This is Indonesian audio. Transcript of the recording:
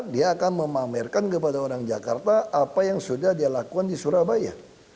dia akan memamerkan kepada orang jakarta apa yang sudah dia lakukan di surabaya